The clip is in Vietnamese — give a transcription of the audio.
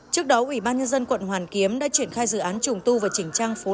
trước đó ủy ban nhân dân quận hoàn kiếm đã triển khai dự án trùng tu và chỉnh trang phố